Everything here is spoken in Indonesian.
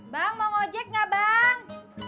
bang mau ojek gak bang